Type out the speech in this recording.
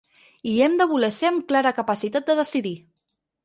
Hi hem de voler ser amb clara capacitat de decidir.